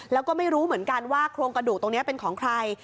แล้วก็ไม่รู้เหมือนกันว่าโครงกระดูกตรงนี้เป็นของใคร